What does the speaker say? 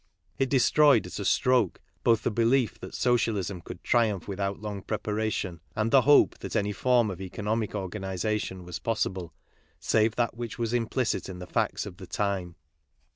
It destroyed at a stroke both the belief that Socialism could triumph without long preparation, and the hope that any form of economic organization was possible save that which was implicit in the facts of the time.